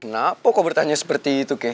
kenapa kok bertanya seperti itu